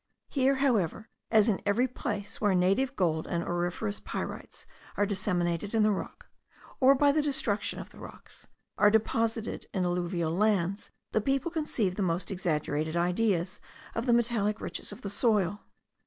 Here, however, as in every place where native gold and auriferous pyrites are disseminated in the rock, or by the destruction of the rocks, are deposited in alluvial lands, the people conceive the most exaggerated ideas of the metallic riches of the soil.